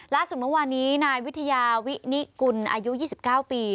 ล่าสุดมาวันนี้นายวิทยาวินิกุลอายุ๒๙ปี